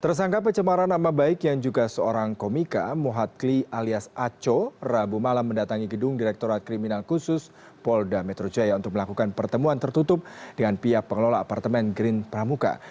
tersangka pencemaran nama baik yang juga seorang komika muhad kli alias aco rabu malam mendatangi gedung direkturat kriminal khusus polda metro jaya untuk melakukan pertemuan tertutup dengan pihak pengelola apartemen green pramuka